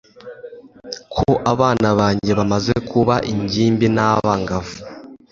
ko abana banjye bamaze kuba ingimbi n abangavu